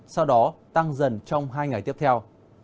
sau đó tăng dần trong hai ngày tiếp theo